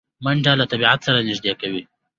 منډه له طبیعت سره نږدې کوي